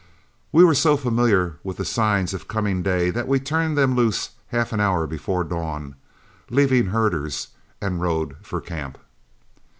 We were so familiar with the signs of coming day that we turned them loose half an hour before dawn, leaving herders, and rode for camp.